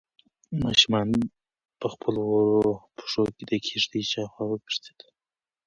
ماشوم په خپلو وړو پښو د کيږدۍ شاوخوا وګرځېد.